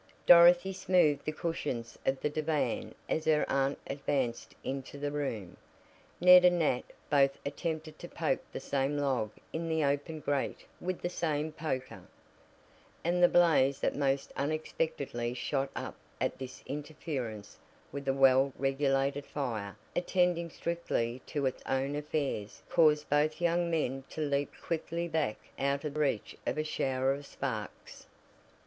Dorothy smoothed the cushions of the divan as her aunt advanced into the room. Ned and Nat both attempted to poke the same log in the open grate with the same poker, and the blaze that most unexpectedly shot up at this interference with a well regulated fire, attending strictly to its own affairs, caused both young men to leap quickly back out of reach of a shower of sparks.